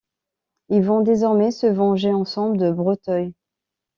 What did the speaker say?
Ils vont désormais se venger ensemble de Breteuil.